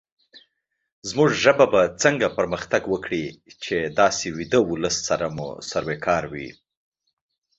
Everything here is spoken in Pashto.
زمونږ ژبه به څنګه پرمختګ وکړې، چې داسې ويده ولس سره مو سروکار وي